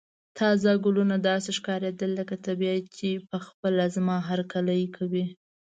تازه ګلونه داسې ښکاریدل لکه طبیعت چې په خپله زما هرکلی کوي.